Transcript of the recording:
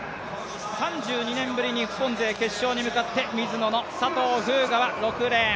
３２年ぶり日本勢、決勝に向かってミズノの佐藤風雅は６レーン。